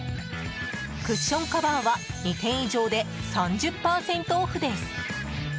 クッションカバーは２点以上で３０％オフです。